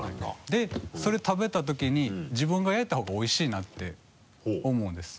でそれ食べたときに自分が焼いた方がおいしいなって思うんです。